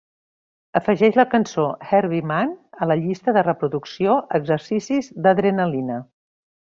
Afegeix la cançó Herbie Mann a la llista de reproducció Exercicis d'adrenalina.